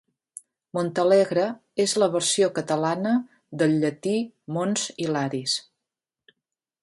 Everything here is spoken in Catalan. Montalegre és la versió catalana del llatí Mons Hilaris.